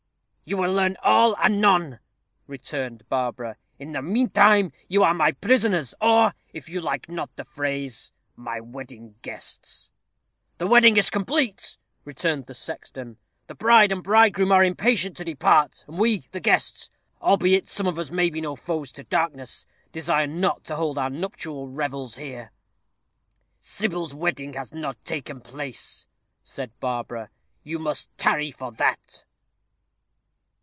"You will learn all anon," returned Barbara. "In the meantime you are my prisoners or, if you like not the phrase, my wedding guests." "The wedding is complete," returned the sexton; "the bride and bridegroom are impatient to depart, and we, the guests albeit some of us may be no foes to darkness desire not to hold our nuptial revels here." "Sybil's wedding has not taken place," said Barbara; "you must tarry for that."